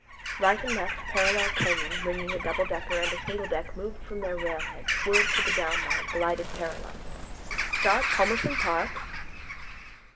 Right and left parallel clanging ringing a doubledecker and a singledeck moved from their railheads, swerved to the down line, glided parallel. —Start, Palmerston Park!